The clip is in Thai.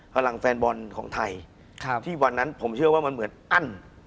พลังแฟนบอลของไทยที่วันนั้นผมเชื่อว่ามันเหมือนอั้น